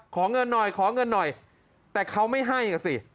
ขอเงินหน่อยแต่เขาไม่ให้กันสิ